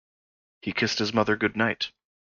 He kissed his mother good-night.